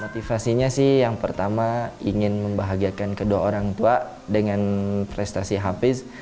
motivasinya sih yang pertama ingin membahagiakan kedua orang tua dengan prestasi hafiz